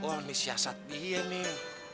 oh ini siasat dia nih